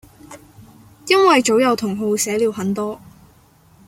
因為早有同好寫了很多